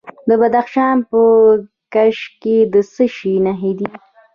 د بدخشان په کشم کې د څه شي نښې دي؟